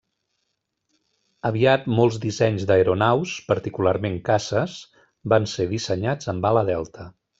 Aviat molts dissenys d'aeronaus, particularment caces, van ser dissenyats amb ala delta.